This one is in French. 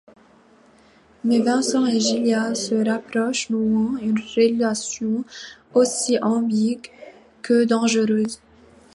Mais Vincent et Julia se rapprochent, nouant une relation aussi ambiguë que dangereuse.